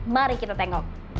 mari kita tengok